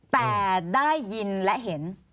แต่ได้ยินและเห็น